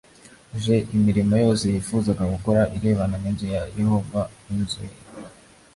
J imirimo yose yifuzaga gukora irebana n inzu ya yehova n inzu ye